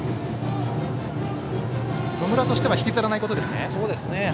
野村としては引きずらないことですね。